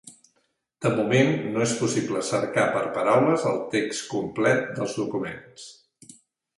De moment, no és possible cercar per paraules al text complet dels documents.